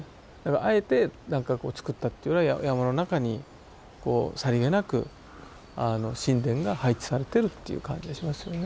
あえて何かこう作ったっていうよりは山の中にさりげなく神殿が配置されてるっていう感じがしますよね。